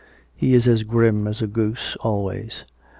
He is as grim as a goose, always.